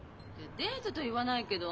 デートと言わないけど。